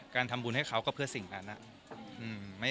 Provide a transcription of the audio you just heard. การทำบุญให้เขาก็เพื่อสิ่งนั้น